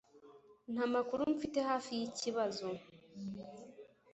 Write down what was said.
Nta makuru mfite hafi yikibazo